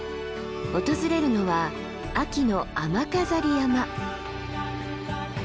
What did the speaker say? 訪れるのは秋の雨飾山。